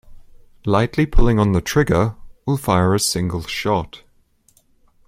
Lightly pulling on the trigger will fire a single shot.